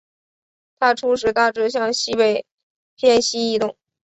它初时大致向西北偏西移动。